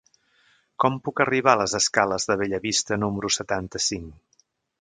Com puc arribar a les escales de Bellavista número setanta-cinc?